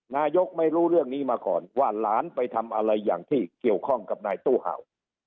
นายกไม่รู้เรื่องนี้มาก่อนว่าหลานไปทำอะไรอย่างที่เกี่ยวข้องกับนายตู้เห่า